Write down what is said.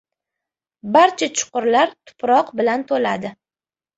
• Barcha chuqurlar tuproq bilan to‘ladi.